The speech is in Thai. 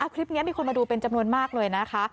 คลิปนี้มีคนมาดูเป็นจำนวนมากเลยนะคะ